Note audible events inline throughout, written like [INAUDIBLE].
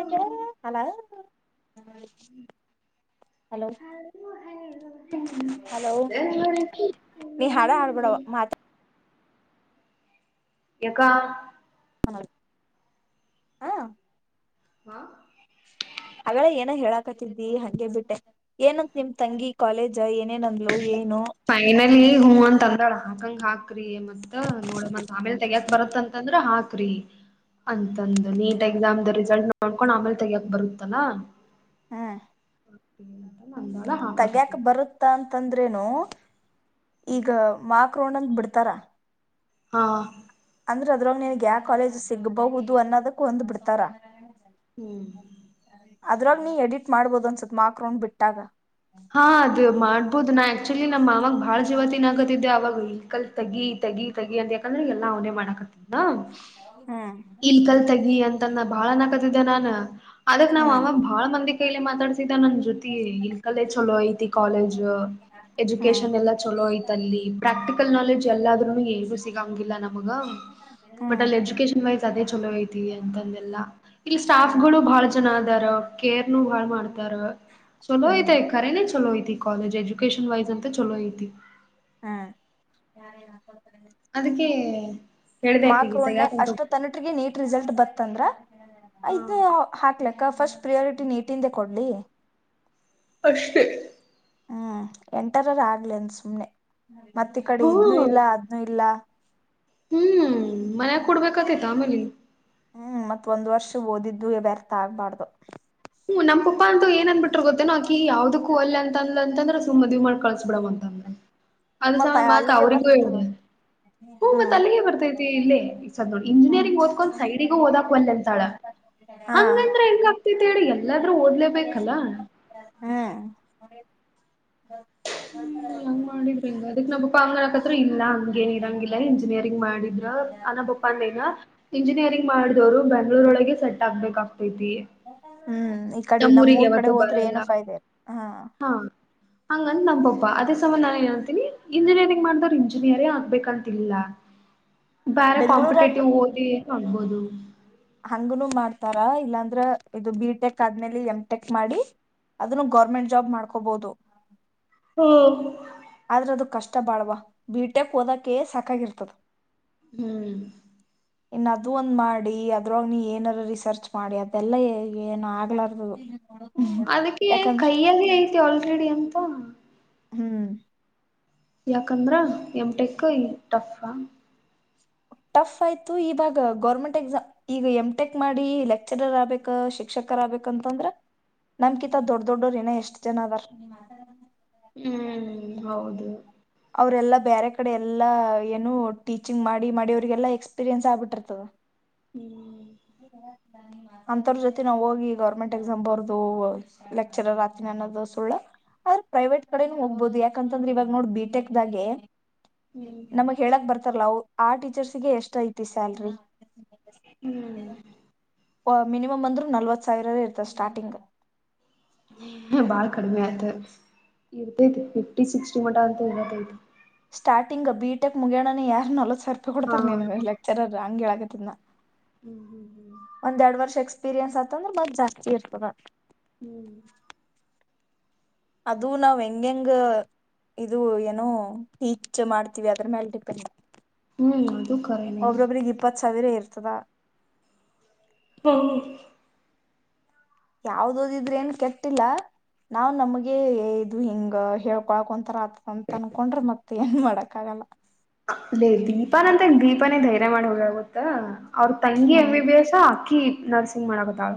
ಹ್ಮ ಅಲ hello hello ನೀ ಹಾಡ ಹಡ್ಬಡವ ಮಾತಾ ಎಕ್ಕಾ ಹ ಹಾ ಹಾ ಅಗಳ ಏನ ಹೇಳಾಕತಿದಿ ಹಂಗೆ ಬಿಟ್ಟೆ ಏನಂತ ನಿಮ್ ತಂಗಿ ಕಾಲೇಜ ಏನೇನಂದ್ಲು ಏನ್ ಫೈನಲಿ ಹೂ ಅಂತ ಅಂದಾಳ ಹಾಕಂಗ ಹಾಕ್ ಕ್ರಿ ಮತ್ತತ್ ನೋಡ ಮತ್ ಆಮೇಲೆ ತಗಯಕ್ ಬರತ್ತ ಅಂತಂದ್ರ ಹಾಕ ತ್ರಿ ಅಂತಂದು ನೀಟ್ ಎಕ್ಸಾಮ್ ದ ರಿಸಲ್ಟ್ ನೋಡ್ಕೊಂಡ್ ಆಮೇಲೆ ತೆಗಕ್ ಬರುತ್ತಲಾ ಹ್ಮ್ ನ ತಗ್ಯಾಕ್ ಬರುತ್ತ ಅಂತಂದ್ರೇನು ಈಗ ಮಾಕ್ ಕೋಣಂದ ಬಿಡ್ತಾರಾ ಹಾ ಅಂದ್ರ ಅದ್ರೊಗ್ಗೆ ನನ್ಗ್ ಯಾವ ಕಾಲೇಜ್ ಸಿಗ್ಬಹುದು ಅನ್ನೋದಕ್ ಹೊಂದ್ ಬಿಡ್ತಾರ ಹ್ಮ್ ಅದ್ರಾಗ ನೀ ಎಡಿಟ್ ಮಾಡ್ಬೋದು ಅನ್ಸತ್ ಮಾರ್ಕ್ರೌಂಡ್ ಬಿಟ್ಟಾಗ ಹಾ ಅದ್ ಮಾಡ್ಬೋದು ನಾ ಆಕ್ಚುಲಿ ನಮ್ಮ ಮಾವಾಗ ಬಾಳ್ ಜೀವತಿನ ಆಗತ್ತ ಅವಾಗ ವೆಹಿಕಲ್ ತಗಿ ತಗಿ ತಗಿ ಅಂತ ಯಾಕಂದ್ರೆ ಎಲ್ಲ ಅವನೇ ಮಾಡಾಕತ್ತ ಹ ಹ್ಮ್ ಇಲ್ ಕಲ್ ತಗಿ ಅಂತನ್ ಬಾಳ ನಕತಿದ್ದೆ ನಾನ್ ಅದಕ್ ನಾವ್ ಅವಾಗ ಬಾಳ ಮಂದಿ ಕೈಯಲಿ ಮಾತಾಡ್ಸಿದ ನನ್ ಜೊತೆ ಇಲ್ ಕಲ್ಲೇ ಚಲೋ ಐತಿ ಕಾಲೇಜ್ ಎಜುಕೇಶನ್ ಎಲ್ಲಾ ಚಲೋ ಐ್ತ ಅಲ್ಲಿ ಪ್ರಾಕ್ಟಿಕಲ್ ನಾಲೆಜ್ ಎಲ್ಲಾದ್ರೂ ಏಗೂ ಸಿಗಂಗಿಲ್ಲ ನಮಗ ಬಟ್ ಅಲ್ಲಿ ಎಜುಕೇಶನ್ ವೈಸ್ ಅದೇ ಚಲೋ ಐತ ಅಂತಂದೆಲ್ಲಾ ಇಲ್ಲಿ ಸ್ಟಾಫ್ ಗಳು ಬಹಳ ಜನ ಚಾರ ಕೇರ್ನು ಬಾಳ ಮಾಡ್ತಾರ ಚಲೋ ಐತೆ ಕರೆನೇ ಚಲೋ ಐತ ಕಾಲೇಜ್ ಎಜುಕಷನ್ ವೈಸ್ ಅಂತ ಚಲೋ ಐತಿ ಹಾ ಅದಕ್ಕೆ ಹೇಳ್ದೆ ಮಾರ್ಕ್ ಆಕಿಗೆ ಒ ಣೆ ತೆಗ್ಯಾಕ್ ಅಷ್ಟೊ ಹೊಂಟೋಗ್ ತನಟ್ರಿಗೆ ನೀಟ್ ರಿಸಲ್ಟ್ ಬತ್ತಂದ್ರ ಹಾ ಇದು ಹಾಕ್ಲಕ್ ಯಕ ಫಸ್ಟ್ ಪ್ರಿಯಾರಿಟಿ ನೀಟಿಂದೆ ಕೊಡ್ಲಿ ಅಷ್ಟೇ ಹ್ಮ್ ಎಂಟರರ ಆಗ್ಲಿ ಅಂದ ಸುಮ್ನೆ ಮತ್ತ ಈ ಕಡೆ ಇದ್ನು ಹ್ಮ ಇಲ್ಲ ಅದ್ನುೂ ಇಲ್ಲ ಹ್ಮ್ ಮನ್ಯಾಗ ಕೊಡ್ಬೇಕತೈತ ಆಮೇಲ ಹ್ಮ್ ಮತ್ತತ್ ಒಂದ್ ವರ್ಷ ಓದಿದ್ದು ವ್ಯರ್ಥ ಆಗ್ಬಾರ್ದು ಹ್ಮ ನಮ್ಮ ಅಪ್ಪಾ ಅಂತ ಏ ಅಂದ್ಬಿಟ್ರ ಗೊತ್ತ ನಾ ಆಕಿ ಯಾವ್ದದಕ್ಕೂ ಅಲ್ಲ ಅಂದ ಅಂದ್ರ ಸುಮ್ಮ ಮದ್ವಿ ಮಾಡಿ ಕಳ್ಸಸ್ ಬಿಡ್ ಅಂದ ಅದು ಮತ್ತ ಸಮಯ ಮಾತ್ ಅಲ್ಲಿಗೆ ಅವರಿಗೆರಿಗೆದ ಬರ್ತಿತ್ತದ ಹ್ಮ್ ಹ್ಮ ಮತ್ ಅಲ್ಲಿಗೆ ಬರ್ತೈತಿ ಇಲ್ಲಿ ಈ ಸ ದಡ್ ಹ್ಮ್ ಇಂಜಿನಿಯರಿಂಗ್ ಓದ್ಕೊಂಡ್ ಸೈಡಿಗೂ ಓದಾಕ್ ಒಲ್ಲ ಅಂತಾಳ ಹಂಗಂದ್ರ ಎನ್ಕ ಆಗ್ತ ಹಾ ಹ ಹಂಗ ಮಾಡಿದ್ರಂಗ ಅದಕ್ ನಮ್ಮಾ ಅಂಗಡಕತ್ರ ಇಲ್ಲ ಹಂಗ ಏನ್ ಇರಂಗಿಲ್ಲ ಇಂಜಿನಿಯರಿಂಗ್ ಮಾಡಿದ್ರ ಅ ಪ್ಪಂದನ ಇಂಜಿನಿಯರಿಂಗ್ ಮಾಡಿದವರು ಬೆಂಗ್ಳೂರೊಳಗೆ ಸೆಟ್ ಆಗ್ಬೇಕಾಗ್ತೈತಿ ಹ್ಮ್ ಈ ಕಡೆ ನಮ್ಮೂರ್ ಕಡೆ ನಮ್ಮೂರಿಗೆಾವತ್ತು ಹೋದ್ರೆ ಬರಲ್ಲ ಏನು ಫಾಯ್ದೆ ಇಲ್ಲ. ಹಾ ಹಂಗ ನಂಬೊಬ್ಬ ಅದೇ ಸಂಬಂಧ ನಾನ್ ಏನ ಅಂತೀನಿ ಇಂಜಿನಿಯರಿಂಗ್ ಮಾಡಿದವರು ಇಂಜಿನಿಯರಿ್ ಆಗ್ಬೇಕಂತ ಇಲ್ಲ [INAUDIBLE] ಬೇರೆ ಬೆಂಗ್ಳೂರಾಗ ಕಾಂಪಿಟೇಟಿವ್ ಓದಿ ಆಗ್ಬೋದು ಹಂಗನು ಮಾಡ್ತಾರ ಇಲ್ಲಾಂದ್ರ ಇದು ಬಿ ಟೆಕ್ ಆದ್ಮೇಲೆ ಎಂಟೆಕ್ ಮಾಡಿ ಅದನ್ನು ಗೌರ್ಮೆಂಟ್ ಜಾಬ್ ಮಾಡ್ಕೋಬಹುದು ಹ್ಮ್ ಇಷ್ಟ ಬಾಳ್ವಾ ಬಿೀಟೆಕ್ ಓದಕ ಸಾಕಾಗಿರ್ತದ ಹ್ಮ್ ಇನ್ನು ಅದು ಒಂದ್ ಮಾಡಿ ಅದ್ರಾಗ ನೀ ಏನಾದಾರೂ ರಿಸರ್ಚ್ ಮಾಡಿ ಅದೆಲ್ಲ ಏನ ಆಗ್ಲಾರ್ದು ಹ್ಮ್ ಅದಕ್ಕೆ ಕೈಯಲ್ಲಿ ಐತಿ ಆಲ್ರೆಡಿ ಅ ಹ್ಮ್ ಯಾಕಂದ್ರ ಎಮಟೆಕ್ ಟಫ ಟಫ್ ಆಯ್ತು ಈವಾಗ ಗೌರ್ಮೆಂಟ್ ಎಕ್ಸಾಮ್ ಈಗ ಎಂ ಟೆಕ್ ಮಾಡಿ ಲೆಕ್ಚರರ್ ಆಗ್ಬೇಕ ಶಿಕ್ಷಕ್ ಬೇಕಂತಂದ್ರ ನಮ್ಕಿಿತ ದೊಡ್ಡ ದೊಡ್ಡೋರ ಇನ್ನ ಎಷ್ಟ್ ಜನ ಅದಾರ ಹ್ಮ್ ಹೌದು ಅವರೆೆಲ್ಲಾ ಬೇರೆ ಕಡೆ ಎಲ್ಲಾ ಏನು ಟೀಚಿಂಗ್ ಮಾಡಿ ಮಾಡಿ ಅವ್ರಿಗೆಲ್ಲಾ ಎಕ್ಸ್ಪೀರಿಯೆನ್ಸ್ ಆಗ್ಬಿಟ್ಟಿರ್ತದ ಹ್ಮ್ [INAUDIBLE] ಅಂತರ್ ಜೊತೆ ನಾವ್ ಹೋಗಿ ಗವರ್ಮೆಂಟ್ ಎಕ್ಸಾಮ್ ಬರದು ಲೆಕ್ಚರರ್ ಆತನಿ ಅನ್ನೋದು ಸುಳ್ಳ ಅವ್ರ ಪ್ರೈವೇಟ್ ಕಡೆನೂ ಹೋಗ್ಬಹದು ಯಾಕಂತಂದ್ರೆ ಇವಾಗ ನೋಡ್ ಬಿಟೆಕ್ ದಾಗೆ ನಮಗ್ ಹೇಳಕ್ ಬರ್ತಾರಲ್ಲ ಆ ಟೀಚರ್ಸ್ಗೆ ಎಷ್ಟ ಐತಿ ಸ್ಯಾಲ್ರಿ ಹ್ಮ್ ಮಿನಿಮಮ್ ಅಂದ್ರರು ನಲ್ವತ್ ಸಾವಿರ ಇರ್ತ ಸ್ಟಾರ್ಟಿಂಗ್ ಬಳ ಕಡಿಮೆ ಆತು ಇರ್ತೈತಿ ಫಿಫ್ಟಿ ಸಿಕ್ಸ್ಟಿ ಮಠ ಅಂತ ಇರತೈತಿ ಸ್ಟಾರ್ಟಿಂಗ್ ಬಿಟೆಕ್ ಮುಗ್ಯಣನ ಯಾರ ನಲ್ವತ್ತು ಸಾವ್ರ ರೂಪಾಯಿ ಹಾ ಕೊಡ್ತಾರೆ ನೀ ಲೆಕ್ಚರರ್ ಹಂಗ ಹೇಳ [UNINTELLIGIBLE] ಹ್ಮ್ ಹ್ಮ್ ಹ್ಮ್ ಎಕ್ಸ್ಪೀರಿಯನ್ಸ್ತ್ತ ಅಂದ್ರೆ ಬತ್ ಜಾಸ್ತಿ ಇರ್ತದೆದ ಹ್ಮ್ ಅದು ನಾವ್ ಹೆಂಗ ಹೆಂಗ ಇದು ಏನೋ ಟೀಚ್ ಮಾಡ್ತೀವಿ ಅದ್ರ ಮೇಲೆ ಡಿಪೆಂಡ ಹ್ಮ್ ಅದು ಕರೆನೆ ಚವರಿ ಇರ್ತದಾ ಹು ಯಾವ್ದದ ಇದ್ರೆ ಏನ್ ಕೆಟ್ಟಿಲ್ಲ ನಾವ್ ನಮ್ಗೆ ಇದು ಹಿಂಗ ಹೇಳ್ಕೊಳಕ್ೊಂತರ ಆ ಅಂತ ಅನ್ಕೊಂಡ್ರೆ ಮತ್ತೆ ಏನ್ ಮಾಡಕ್ ಆಗಲ್ಲ ಅೇ ದೀಪಾನ ಅಂತ ದೀಪಾನೇ ಧೈರ್ಯ ಮಾಡ ಹೋಗಳ ಗೊತ್ತ ಅವ್ರ ತಂಗಿ ಎಮ್ ಹ್ಮ್ ಬಿ ಬಿ ಎಸ್ ಅಕ್ಕಿ ನರ್ಸಿಂಗ್ ಮಾಡಕತ್ತಲ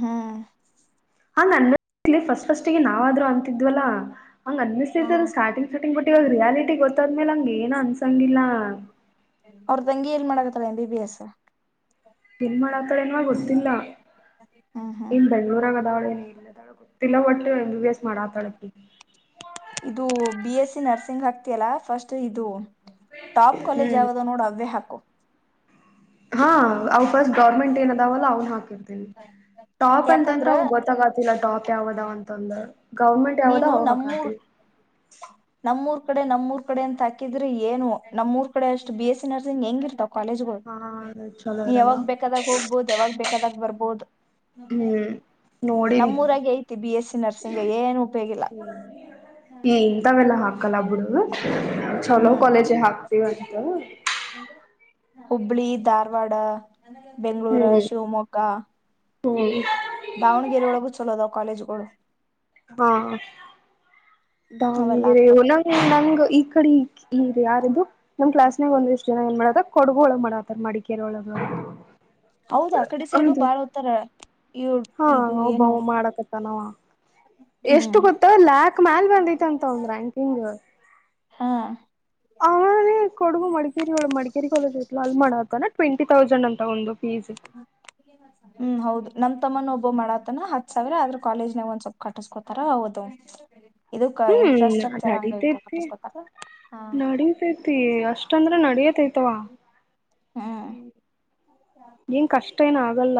ಹಾ ಹಂಗ್ ಅನ್ನಿಸಲಿ ಫಸ್ಟ್ ಫಸ್ಟ್ಿಗೆ ನಾವಾದ್ರು ಅಂತಿದ್ವಲ್ಲಾ ಹಂಗ್ ಅನ್ನಿಸ್ತೈತ ಸ್ಟಾರ್ಟಿಂಗ್ [UNINTELLIGIBLE] ಬಿುಟ್ಟಿೋಗ್ ರಿಯಾಲಿಟಿ ಗೊತ್ತಾದ್ಮೇಲೆ ಹಂಗ ಏನ್ ಅನ್ಸಂಗಿಲ್ಲಾ ಅವ್ರ ತಂಗಿ ಏನ್ ಮಾಡಕತ್ತಲ್ಲ ಎಂ ಬಿ ಬಿ ಎಸ್ ಏನ್ ಮಾಡಾತಾಳ ಏನೋ ಗೊತ್ತಿಲ್ಲ ಹ್ಮ್ ಹ್ಮ್ ಇಲ್ ಬೆಂಗ್ಳೂರಾಗ ಅದಾವಳ ಏನ ತಿಲ ಒಟ್ಟು ಎಂ ಬಿ ಬಿ ಎಸ್ ಮಾಡಕತಾಳೆ ಇದು ಬಿ ಎಸ್ ನರ್ಸಿಂಗ್ ಹಾಕ್ತಿಯಲ್ಲ ಫಸ್ಟ್ ಇದು ಟಾಪ್ ಕಾಲೇಜ್ ಹ್ಮ್ ಯಾವದೋ ನೋಡು ಅವೇ ಹಾಕು ಹಾ ಅವವು ಫಸ್ಟ್ ಗೌರ್ಮೆಂಟ್ ಏನ ಅದಾವಲ್ಲ ಅವ್ನು ಹಾಕಿರ್ತೇನಿ ಟಾಪ್ ಅಂತಂದ್ರೆ ಯಾಕಂದ್ರ ಅವ ಗೊತ್ತಾಗತಿಲ್ಲ ಟಾಪ್ ಯಾವದಾವ ಅಂತ ಒಂದು ಗೌರ್ಮೆಂಟ್ ಯಾವದೋ ನೀನು ನಮ್ಮೂರ್ ಅವಹಕಾದ ನಮ್ಮೂರ್ ಕಡೆ ನಮ್ಮೂಊರ್ ಕಡೆ ಅಂತ ಹಾಕಿದ್ರೆ ಏನು ನಮ್ಮ್ೂರ್ ಕಡೆ ಅಷ್ಟು ಬಿ ಎಸ್ಸ ಸಿ ನರ್ಸಿಂಗ್ ಹೆಂಗಿರ್ತಾವ ಕಾಲಜಗ ಹೋಗಿ ಹಾ ಚಲೋ ಇರಲ್ಲ ಯಾವಾಗ ಬೇಕಾದಾಗ ಹೋಗ್ಬೋದು ಯಾವಾಗ್ ಬೇಕಾದಾಗ ಬರ್ಬೋದು ಹ್ಮ್ ನೋಡಿನಿ ನಮ್ಮೂಊರಾಗ ಐತಿ ಬಿ ಎಸ್ ಸಿ ನರ್ಸಿಂಗ್ ಏನು ಹ ಈ ಇಂತವೆೆಲ್ಲ ಹಾಕಲ್ಲ ಬಿಡು ಚಲೋ ಕಾಲೇಜ ಹಾಕ್ ಇವತ್ತು ಹುಬ್ಬಳ್ಳಿ ಧಾರವಾಡ ಬೆಂಗಳೂರು ಹ್ಮ್ ಶಿವಮೊಗ್ಗ ಹ್ಮ್ ದಾವಣಗೆರೆ ಒಳಗೂ ಚಲೋದಾವ ಕಾಲೇಜ್ಗಳು ಹಾ ಅವೆಲ್ಲಾ ದಾವಣಗೆರೆ ಹಾಕ್ಬೇಕ್ [UNINTELLIGIBLE] ನಂಗ ನಂಗ ಈ ಕಡೆ ಈ ಯಾರಂದು ನಮ್ಮ ಕ್ಲಾಸ್ ನಾಗ ಒಂದ ಇಷ್ಟ ಜನ ಏನ್ ಮಾಡ ಕೊಡುಗೊಳಗ್ ಮಾಡತರ್ ಮಾಡಿಿಕ ಕೇರೋಳಗಳು ಹೌದ ಆ ಕಡೆ ಸೈಡು ಬಾಳ್ ಹತಾರ ಹಾ ಒಬವ ಮಾಡಕತ್ತ ನಾವ ಎಷ್ಟು ಹ್ಮ್ ಗೊತ್ತ ಲ್ಯಾಕ್ ಮ್ಯಲ್ ಬಂದೈತಂತ ಒಂದ್ ರ್ಯಾಂಕಿಂಗ್ ಹಾ ಆಮೇ ಕೊಡಗು ಮಡಿಕೇರಿಗಳು ಮಡಿಕೇರಿ ಕಾಲೇಜ್ ಇ ಅಲ್ಮಾಣ ಆತಾನ ಟ್ವೆಂಟಿ ತೌಸಂಡ್ ಅಂತ ಒಂದು ಫೀಸ್ ಹ್ಮ್ ಹೌದು ನಮ ತಮ್ಮನ ಒಬ್ಬ ಮಾಡತನ ಹತ್ ಸಾವಿರ ಆದ್ರ ಕಾಲೇಜ್ ನ ಒಂದಸೊಲ್ಪ್ ಕಟ್ಟಸ್ಕೋತಾರ ಹೌದು ಇದಕ್ ಹ್ಮ್ ಇನ್ಫ್ರಾಸ್ಟ್ರಕ್ಚರ್ ಅಂಗ ನಡೀತೈತಿ ಕಟ್ಟಿಸಕೊತ ಹ ಷ್ಟಂದ್ರೆ ನಡಿಯತೈತವಾನ್ ಹ್ಮ್ ಕಷ್ಟ ಅಷ್ಟೇನ ಆಗಲ್ಲ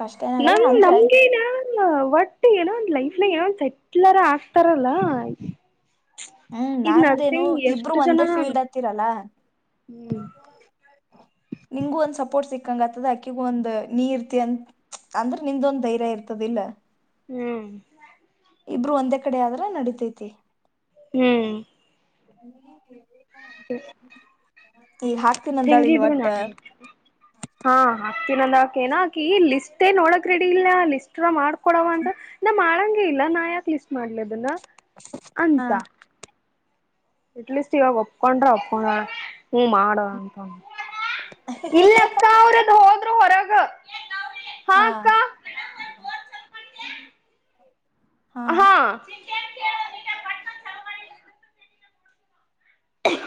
ಕಷ್ಟ ಏನಾಗಲ್ಲ ನಮ ಅಂದ್ರ ನಮ್ಗೆನ ಒಟ್ ಏನೋ ಒಂದ ಲೈಫ್ನ ಏನೊಂದ್ ಸೆಟ್ಲರ್ ಆಗ್ತಾರಲ್ಲ ಹ್ಮ್ ಈಗ ನಾಂದೇನು ನರ್ಸಿಂಗ್ ಇಬ್ರು ಎಷ್ಟು ಜನ ಒಂದೇ ಫೀಲ್ಡ್ ಹತ್ತಿರಲ್ಲ ಹ್ಮ್ ನಿಂಗಗು ಒಂದ್ ಸಪೋರ್ಟ್ ಸಿಕ್ಕಂಗ ಆತ್ತದ ಅಕ್ಕಿಗು ಒಂದ ನೀ ಇರ್ತಿ ಅಂತ ಅಂದ್ರೆ ನಿಮ್ದೊಂದ್ ಧೈರ್ಯ ಇರ್ತದಲ್ಲ ಹ್ಮ್ ಇಬ್ರು ಒಂದೇ ಕಡೆ ಆದ್ರ ನಡಿತೈತಿ ಹ್ಮ್ ಹ್ಮ್ ಈಗ ಹಾಕ್ತೀನ ಅಂದಾಳ ಇಲ್ ಹೆಂಗಿದ್ರು ಒಟ್ಟ ನಾನ ಹಾ ಹ ಂದಕ ಏನಕ ಈ ಲಿಸ್ಟ್ ನ್ ನೋಡಕ್ ರೆಡಿ ಇಲ್ಲ ಲಿಸ್ಟ್ ಮಾಡ್ಕೊಡವ ಅಂತ ನ ಮಾಡ ಇಲ್ಲ ನಾ ಯಾಕೆ ಲಿಸ್ಟ್ ಮಾಡ್ಲದನ್ನ ಹಾ ಅಂತ ಎಟ್ಲೀಸ್ಟ್ ಇವಾಗ ಒಪ್ಕೊಂಡ್ರ ಒಕೊಂಡ ಹ್ಮ ಮಾಡುವ ಅಂತ ಇಲ್ಲಕ್ಕ ಅವ್ರದು ಹೋದ್ರು ಹೊರಗ ಹಾ ಹಾ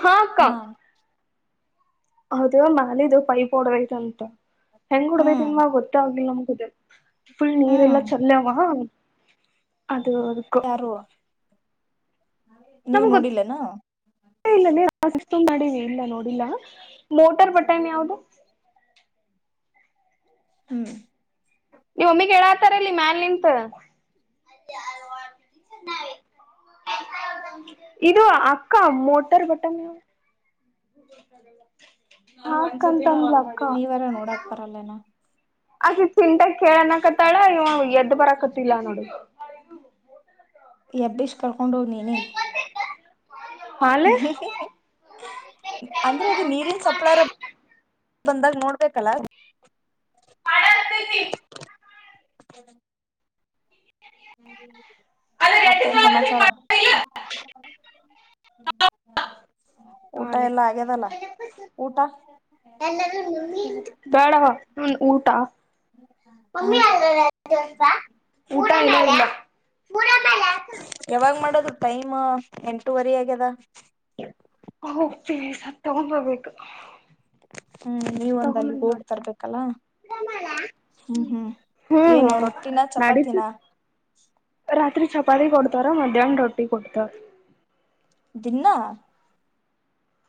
ಹಾಕ್ಕಾ ಹಾ ಹೌದು ನಾಲದುು ಪೈಪ್ ಹೊಡದೈತ ಅಂತ ಹೆಂಗ್ ಹ್ಮ್ ಹೊಡದೈತಿನ್ವ ಗೊತ್ತಾಗ್ಲಲಿಿಲ್ಲ ನಮ್ಗುದ ಫುಲ್ ಹ್ಮ್ ನೀರೆಲ್ಲಾ ಚಲ್ಲವ ಅದುಕ ನೀವು ನೋಡಿಲ್ಲನಾ ನಡವಿ ಇಲ್ಲ ನೋಡಿಲ್ಲ ಮೋಟಾರ್ ಬಟನ್ಿ ಯಾವ್ದು ಹ್ಮ್ ನೀವ್ ಒಮ್ಮಿಗ್ ಹೇಳಾತಾರಲ್ಲಿ ಮ್ಯಾಲ ನಿಂತ ಇದು ಅಕ್ಕ ಮೋಟರ್ ಬಟನ್ [INAUDIBLE] ಹಾ ಕ ನೀವಾರ ನೋಡಾಕ್ ಪರಲ್ಲೇನ ಅಕೆ ಚಿಂತಾಗ ಕೇಳಣ ಕತ್ತಾಳ ಇವ ಎದ್ದ ಬರಕತ್ತಲ್ಲ ನೋಡಿ ಎಬ್ಡಿಷ್ ಕರ್ಕೊಂಡೋಗ್ ನೀನ ಹಾಲೆ ಅಂದ್ರೆ ಅದು ನೀರಿನ್ ಸೊಪ್ಪಳಾರ ಬಂದಾಗ ನೋಡ್ಬೇಕಲ್ಲ ಪಡಂತ [INAUDIBLE] ಹ [INAUDIBLE] ಮತ್ತೇನ್ ಸಮಾಚಾರ ಊಟ ಹಾಲೆ ಎಲ್ಲ ಆಗ್ಯದಲ್ಲ ಊಟ ಬೇಡವಾ ಊಟ [INAUDIBLE] ಹ ಮಿ ಆ ಮು ಮು ಯಾವಾಗ್ ಮಾಡದು ಟೈಮ್ ಎಂಟುವರಿ ಆಗ್ಯದ ಹೋಗ್ತೀವಿ ಸತ್ ತಗೊಬರ್ಬೇಕು ಹ್ಮ್ ನೀವೊಂದ ಅಲ್ಲಿ ಹೋಗ್ತರ್ಬೇಕಲ್ಲ ಹ್ಮ್ ಹ್ಮ್ ಏನು ಹ್ಮ್ ರೊಟ್ಟಿನ ಚಪಾತಿನ ನಡೀತತ್ ರಾತ್ರಿ ಚಪಾತಿ ಕೊಡ್ತಾರ ಮಧ್ಯಾಹ್ನ ರೊಟ್ಟಿ ಕೊಡ್ತಾರ ದಿನ್ನ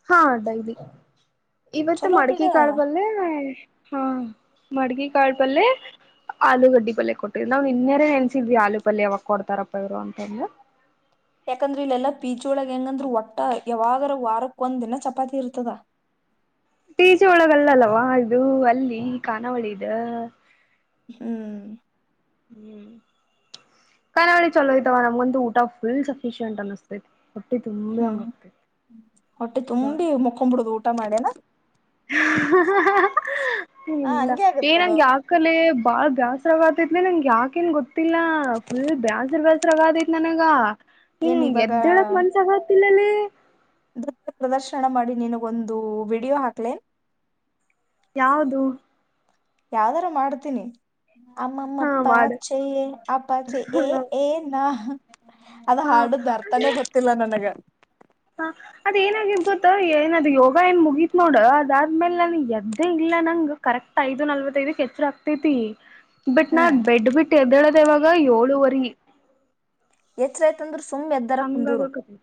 ಹಾ ಡೈಲಿ ಇವತ್ತು ಚಲೋ ಬಿಡ ಮಡಿಕೆ ಕಾಳ ಬಲ್ಲೇ ಹ ಮಡ್ಗಿ ಕಾಳ ಪಲ್ಲ್ಯೆ ಆಲೂಗಡ್ಡಿ ಪಲ್ಯ ಕೊಟ್ಟಿದ್ ನಾವ್ ಇನ್ನೆರ ನೆನ್ಸಿದ್ವಿ ಆಲೂ ಪಲ್ಯ ಯಾವಾಗ ಕೊಡ್ತಾರಪ್ಪವ್ರು ಅಂತಂದ್ರ [INAUDIBLE] ಯಾಕಂದ್ರೆ ಇಲ್ಲೆಲ್ಲಾ ಪೀಜೊಳಗೆ ಹೆಂಗಂದ್ರರು ಒಟ್ಟ ಯಾವಾಗರ ವಾರಕ್ಕೊ ಒಂದ್ ದಿನ ಚಪಾತಿ ಇರ್ತದ ಹ [INAUDIBLE] ಟೀಜೆ ಒಳಗಲ್ಲಲ್ಲವಾ ಇದು ಅಲ್ಲಿ ಕಖಾನಾವಳಿ ಇದ ಹ್ಮ್ ಹ್ಮ್ ಕ ನವೇಳ ಚಲೋಯತ ನಮಗಂತು ಊಟ ಫುಲ್ಲ್ ಸಫಿಶಿಯಂಟ್ ಅನಸ್ತ ಹ್ಮ್ ಹೊಟ್ಟೆ ತುಂಬಿ ಮುಕ್ಕೊ್ಬಿಡುದು ಊಟ ಮಾಡೇನ ಹ ಇಲ್ಲ ಹಂಗೆ ಆಗತ್ತದು ಏನಂಗೆ ಆಕಲೆ ಬಾಳ್ ಜಾಸ್ತಿ ಗತೈತ್ಲಿ ನನ್ಗೆ ಯಾಕೇನ್ ಗೊತ್ತಿಲ್ಲಾ ಫುಲ್ ಬೇಾಸ್ರ ಬ್ಯಾಸ್ರಗೈತ್ ನನಗ ಏನ್ ಹ್ಮ್ ಇವಾಗ ಎದ್ದ ಹೇಳಕ್ ಮನ್ಸಗತಿಲ್ಲಲ್ಲಿ ನೃತ್ಯ ಪ್ರದರ್ಶನ ಮಾಡಿ ನಿನಗೊಂದು ವಿಡಿಯೋ ಹಾಕ್ಲೇನ್ ಯಾವದು ಯಾವ್ದಾರು ಮಾಡ್ತೀನಿ ಆಮ್ಮ ಹಾ ಪಪಾ ವಾರ್ಡ್ ಚ ಅಪ್ಪಾಚ ಎ ಎ ನ ಅದ ಹಾ ಹಾಡುದ ಅರ್ತಾನೇ ಗೊತ್ತಿಲ್ಲ ನನಗ ಹ ಅದ ಏನಾಗಿದ ಗೊತ್ತ ಏನದು ಯೋಗ ಏನ್ ಮುಗೀತ್ ನೋಡು ಅದಾದ್ಮೇಲೆ ನಾನು ಎದ್ದಂಗ ಲ್ಲ ನಂಗ್ ಕರೆಕ್ಟ್ ಐದು ನಲ್ವತ್ ಐದಕ್ ಎಚ್ಚರ ಆಗ್ತೈತಿ ಬಟ್ ನಾ ಹ್ಮ್ ಬೆಡ್ ಬಿಟ್ಟ ಎದ್ದೇಳದ ಇವಾಗ ಏಳುವರಿ ಎಚಅಂದ್ರೆ ಯತಂದ್ರರು ಸುಮ್ಮ್ೆದ್ದರ ಕುಂದೂರು ಹಂಗಾಗಕತಿ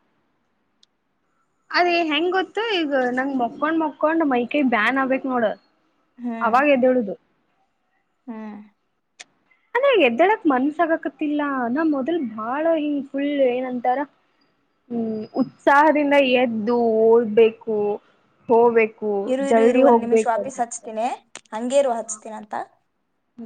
ಅದೇ ಹೆಂಗ್ ಗೊತ್ತು ಈಗ ನಂಗ್ ಮಕೊಂಡ್ ಮಕೊಂಡ್ ಮೈಕೈ ಬ್ಯಾನ್ ಆಗ್ಬೇಕೇಕ್ ನೋಡ ಹ್ಮ್ ಅವಾಗ ಎದ್ದ ಹೇಳುದು ಹ್ಮ್ ಅಂದ್ರೆ ಎದ್ದಾಡಕ್ ಮನ್ಸಾಗಕತಿಲ್ಲ ಅ ನ ಮೊದಲ್ ಬಾಳ ಹಿಂಗ್ ಫುಲ್ ಏನಂತಾರ ಹ್ಮ್ ಉತ್ಸಾಹದಿಂದ ಎದ್ದು ಓಡ್ಬೇಕು ಹೋಗ್ಬೇಕು ಇರು ಇರು ಜಲ್ದಿ ಇರುವ ಒಂದ ನಿಮಿಷ ಹೋಗ್ಬೇಕು ವಾಪೀಸ್ ಅ ಹಚ್ತೀನಿ ಹಂಗೇರು ಹಚ್ತೀನಂತ ಹ್ಮ